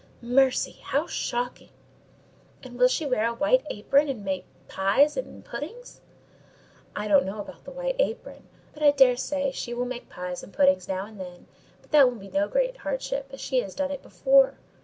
"Mercy, how shocking! and will she wear a white apron and make pies and puddings?" "I don't know about the white apron, but I dare say she will make pies and puddings now and then; but that will be no great hardship, as she has done it before."